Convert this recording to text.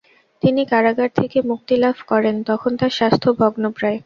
তিনি কারাগার থেকে মুক্তি লাভ করেন তখন তার স্বাস্থ্য ভগ্নপ্রায়।